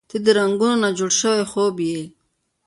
• ته د رنګونو نه جوړ شوی خوب یې.